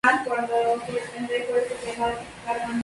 Congreso, Av.